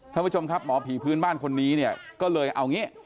ท่านผู้ชมครับหมอผีพื้นบ้านคนนี้ก็เลยเอาอย่างนี้